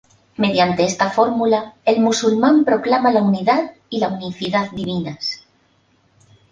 Mediante esta fórmula, el musulmán proclama la unidad y la unicidad divinas.